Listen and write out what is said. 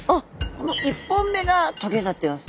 この１本目が棘になってます。